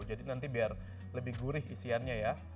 jadi nanti biar lebih gurih isiannya ya